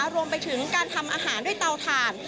รวมไปถึงการทำอาหารด้วยเตาถ่าน